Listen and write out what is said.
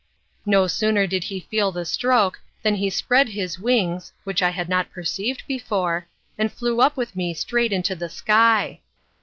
No sooner did he feel the stroke, than he spread his wings (which I had not perceived before), and flew up with me straight into the sky.